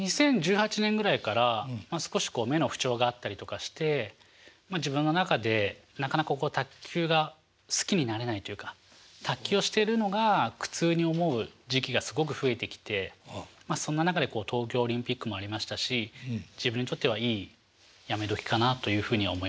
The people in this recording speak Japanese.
２０１８年ぐらいから少し目の不調があったりとかしてまあ自分の中でなかなかこう卓球が好きになれないというか卓球をしているのが苦痛に思う時期がすごく増えてきてそんな中で東京オリンピックもありましたし自分にとってはいいやめ時かなというふうには思いました。